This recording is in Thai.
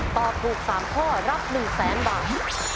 ตอบถูก๓ข้อรับ๑แสนบาท